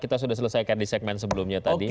kita sudah selesaikan di segmen sebelumnya tadi